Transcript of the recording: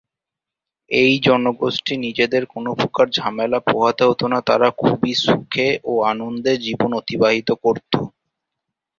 এই জনগোষ্ঠী নিজেদের কোন প্রকার ঝামেলা পোহাতে হত না তারা খুবই সুখে ও আনন্দে জীবন অতিবাহিত করত।